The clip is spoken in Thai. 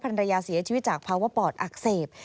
ภรรยาเสียชีวิตจากภาวะปอดอักเสบ